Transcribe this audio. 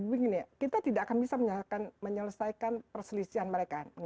begini ya kita tidak akan bisa menyelesaikan perselisihan mereka